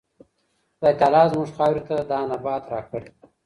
خدای تعالی زموږ خاورې ته دا نبات راکړی.